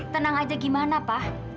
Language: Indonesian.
tenang aja gimana pak